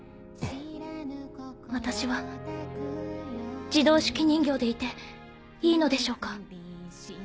私は自動手記人形でいていいのでしょうか？